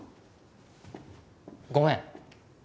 ごめん。